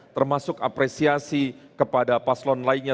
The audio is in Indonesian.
termasuk apresiasi kepada paslon lainnya